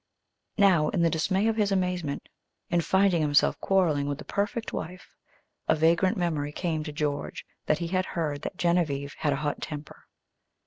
Now, in the dismay of his amazement in finding himself quarreling with the perfect wife, a vagrant memory came to George that he had heard that Genevieve had a hot temper.